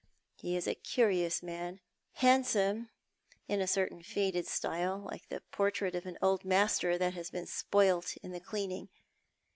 He is a curious man — handsome, in a certain faded style, like a portrait by an old master that has been spoilt in the cleaning.